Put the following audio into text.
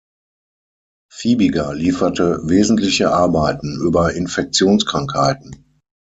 Fibiger lieferte wesentliche Arbeiten über Infektionskrankheiten.